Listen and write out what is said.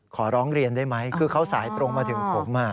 ขอร้องเรียนได้ไหมคือเขาสายตรงมาถึงผม